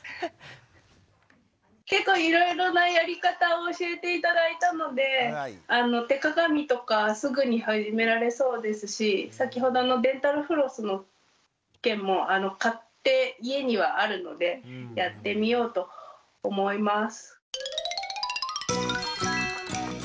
結構いろいろなやり方を教えて頂いたので手鏡とかすぐに始められそうですし先ほどのデンタルフロスの件も買って家にはあるのでやってみようと思います。